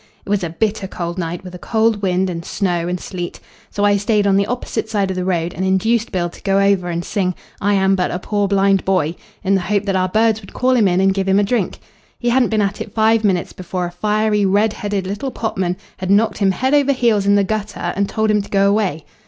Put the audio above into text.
It was a bitter cold night, with a cold wind and snow and sleet. So I stayed on the opposite side of the road and induced Bill to go over and sing 'I am but a Poor Blind Boy,' in the hope that our birds would call him in and give him a drink. He hadn't been at it five minutes before a fiery, red headed little potman had knocked him head over heels in the gutter and told him to go away.